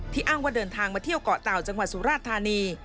อ้างว่าเดินทางมาเที่ยวเกาะเต่าจังหวัดสุราชธานี